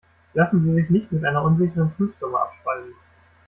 Lassen Sie sich nicht mit einer unsicheren Prüfsumme abspeisen.